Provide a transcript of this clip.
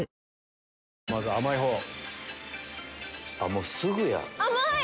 もうすぐや。